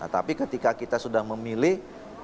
tapi ketika kita sudah memilih